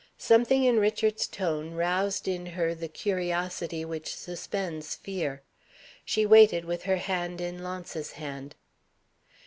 Something in Richard's tone roused in her the curiosity which suspends fear. She waited, with her hand in Launce's hand.